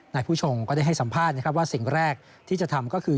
ผู้ชงก็ได้ให้สัมภาษณ์นะครับว่าสิ่งแรกที่จะทำก็คือ